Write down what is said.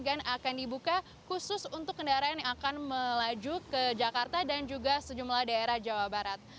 yang akan dibuka khusus untuk kendaraan yang akan melaju ke jakarta dan juga sejumlah daerah jawa barat